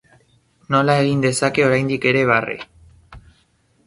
Nola egin dezake oraindik ere barre!